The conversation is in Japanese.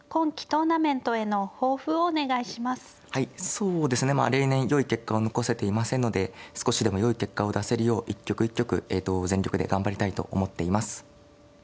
そうですね例年よい結果を残せていませんので少しでもよい結果を出せるよう一局一局えと全力で頑張りたいと思っています。